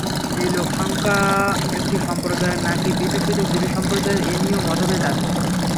এ লোকসংখ্যা একটি সম্প্রদায়ের নাকি পৃথক পৃথক দুইটি সম্প্রদায়ের এ নিয়েও মতভেদ আছে।